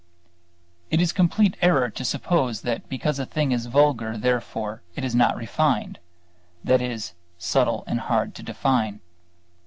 It is complete error to suppose that because a thing is vulgar therefore it is not refined; that is, subtle and hard to define.